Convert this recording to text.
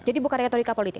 jadi bukan rektorika politik